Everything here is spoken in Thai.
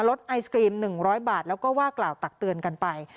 ไอศกรีม๑๐๐บาทแล้วก็ว่ากล่าวตักเตือนกันไป